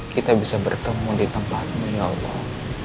kita bisa bertemu di tempatmu ya allah